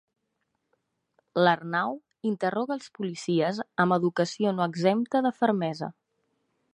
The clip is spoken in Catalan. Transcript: L'Arnau interroga els policies amb educació no exempta de fermesa.